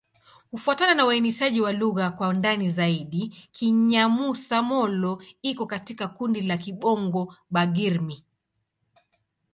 Kufuatana na uainishaji wa lugha kwa ndani zaidi, Kinyamusa-Molo iko katika kundi la Kibongo-Bagirmi.